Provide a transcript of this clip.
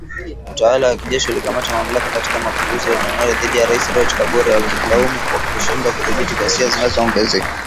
Utawala wa kijeshi ulikamata mamlaka katika mapinduzi ya Januari dhidi ya Rais Roch Kabore wakimlaumu kwa kushindwa kudhibiti ghasia zinazoongezeka .